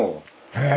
へえ。